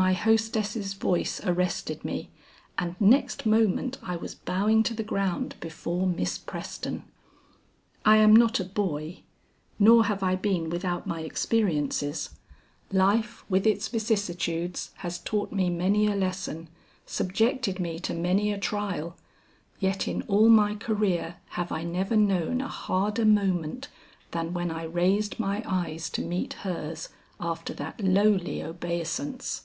My hostess' voice arrested me and next moment I was bowing to the ground before Miss Preston. I am not a boy; nor have I been without my experiences: life with its vicissitudes has taught me many a lesson, subjected me to many a trial, yet in all my career have I never known a harder moment than when I raised my eyes to meet hers after that lowly obeisance.